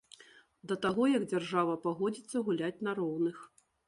Да таго як дзяржава пагодзіцца гуляць на роўных.